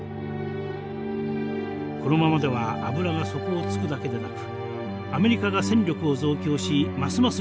このままでは油が底をつくだけでなくアメリカが戦力を増強しますます